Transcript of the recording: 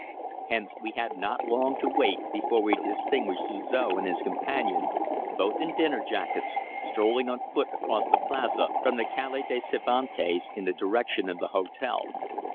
Hence we had not long to wait before we distinguished Suzor and his companion, both in dinner jackets, strolling on foot across the Plaza from the Calle de Cervantes in the direction of the hotel.